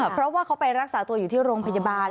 เพราะว่าเขาไปรักษาตัวอยู่ที่โรงพยาบาล